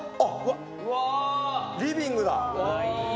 リビングだ。